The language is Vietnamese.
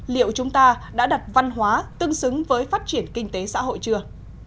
liệu chúng ta đã đặt văn hóa tương xứng với phát triển kinh tế xã hội chưa